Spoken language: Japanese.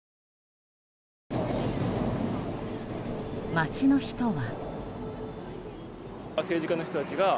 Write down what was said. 街の人は。